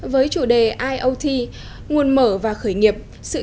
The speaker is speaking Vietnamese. với chủ đề iot nguồn mở và khởi nghiệp